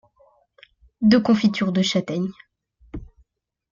De confiture de châtaigne.